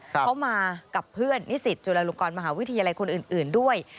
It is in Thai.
เขามากับเพื่อนนิสิตจุฬาลงกรมหาวิทยาลัยคนอื่นด้วย